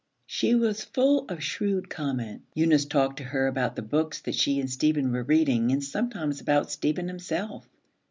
She was full of shrewd comment. Eunice talked to her about the books that she and Stephen were reading, and sometimes about Stephen himself.